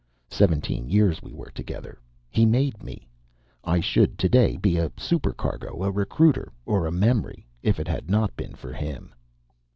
Seventeen years we were together. He made me. I should today be a supercargo, a recruiter, or a memory, if it had not been for him.